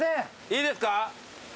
いいですか？